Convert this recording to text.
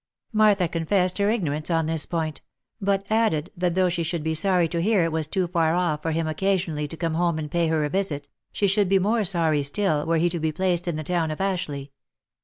Martha confessed her ignorance on this point; but added, that though she should be sorry to hear it was too far off for him occasion ally to come home and pay her a visit, she should be more sorry still, were he to be placed in the town of Ashleigh.